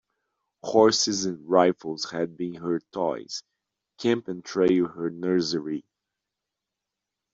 Horses and rifles had been her toys, camp and trail her nursery.